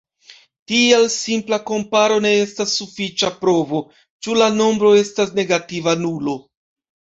Tial simpla komparo ne estas sufiĉa provo, ĉu la nombro estas negativa nulo.